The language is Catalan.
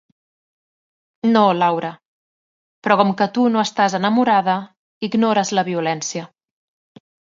No, Laura; però com que tu no estàs enamorada, ignores la violència.